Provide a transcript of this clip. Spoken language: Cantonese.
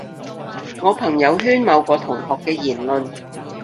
我朋友圈某個同學嘅言論